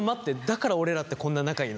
だから俺らってこんな仲いいの？